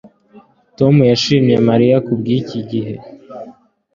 Tom yashimiye Mariya kubwiki gihe